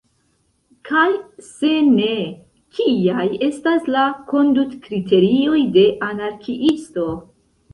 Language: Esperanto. Kaj se ne, kiaj estas la kondutkriterioj de anarkiisto?